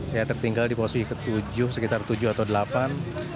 saya tertinggal di posisi ketujuh sekitar tujuh atau delapan